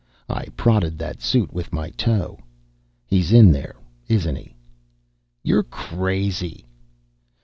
I prodded that suit with my toe. "He's in there, isn't he?" "You're crazy."